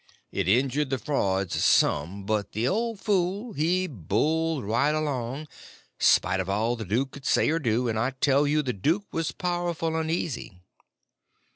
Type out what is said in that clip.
It injured the frauds some; but the old fool he bulled right along, spite of all the duke could say or do, and I tell you the duke was powerful uneasy.